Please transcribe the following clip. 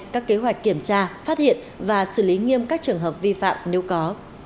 các kế hoạch kiểm tra phát hiện và xử lý nghiêm các trường hợp vi phạm nếu có